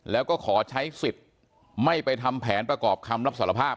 แล้วก็ขอใช้สิทธิ์ไม่ไปทำแผนประกอบคำรับสารภาพ